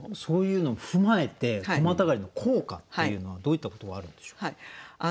そういうのを踏まえて句またがりの効果っていうのはどういったことがあるんでしょう？